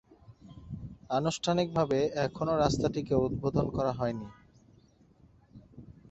আনুষ্ঠানিক ভাবে এখনও রাস্তাটিকে উদ্বোধন করা হয়নি।